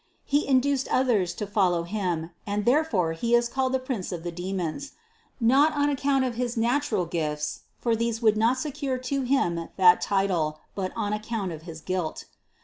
He induced others to follow him and therefore he is called the prince of the demons; not on account of his natural gifts, for these would not secure to him that title, but on account of his guilt.